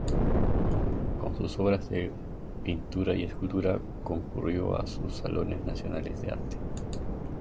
Con sus obras de pintura y escultura concurrió a sus salones nacionales de arte.